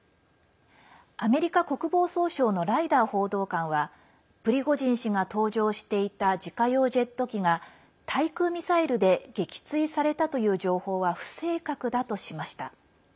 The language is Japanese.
アメリカ国防総省のライダー報道官はプリゴジン氏が搭乗していた自家用ジェット機が対空ミサイルで撃墜されたという情報は不正確だとしました。